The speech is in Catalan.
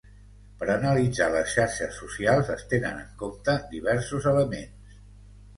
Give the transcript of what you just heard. Per analitzar les xarxes socials es tenen en compte diversos elements.